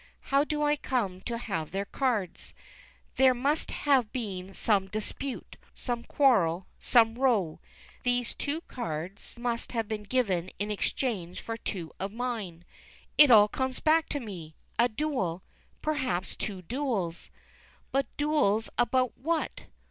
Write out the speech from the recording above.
How do I come to have their cards? There must have been some dispute, some quarrel, some row. These two cards must have been given in exchange for two of mine. It all comes back to me! A duel perhaps two duels! But duels about what?